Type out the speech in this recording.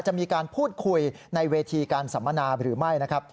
จะมีการพูดคุยในเวทีการสัมมนาหรือไม่นะครับ